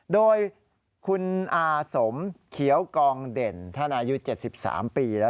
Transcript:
โดยคุณอาสมเขียวกองเด่นท่านอายุ๗๓ปีแล้ว